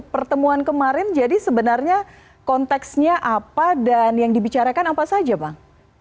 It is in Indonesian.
pertemuan kemarin jadi sebenarnya konteksnya apa dan yang dibicarakan apa saja bang